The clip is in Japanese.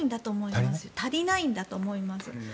足りないんだと思います。